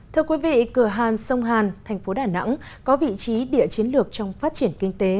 thưa quý vị cửa hàn sông hàn thành phố đà nẵng có vị trí địa chiến lược trong phát triển kinh tế